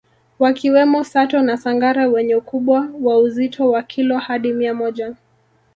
Wakiwemo Sato na Sangara wenye ukubwa wa uzito wa kilo hadi mia moja